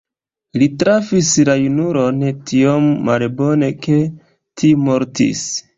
Li trafis la junulon tiom malbone, ke tiu mortis.